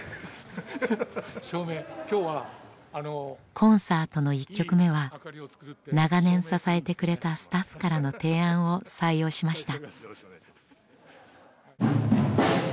コンサートの１曲目は長年支えてくれたスタッフからの提案を採用しました。